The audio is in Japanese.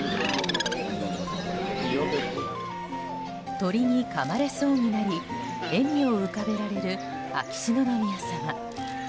鳥にかまれそうになり笑みを浮かべられる秋篠宮さま。